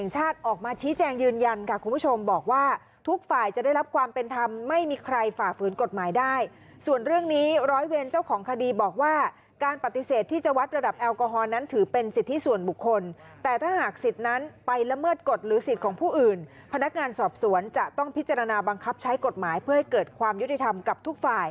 ส่วนฝ่าฝืนกฎหมายได้ส่วนเรื่องนี้ร้อยเวรเจ้าของคดีบอกว่าการปฏิเสธที่จะวัดระดับแอลกอฮอลนั้นถือเป็นสิทธิส่วนบุคคลแต่ถ้าหากสิทธิ์นั้นไปละเมิดกฎหรือสิทธิ์ของผู้อื่นพนักงานสอบสวนจะต้องพิจารณาบังคับใช้กฎหมายเพื่อให้เกิดความยุติธรรมกับทุกฝ่าย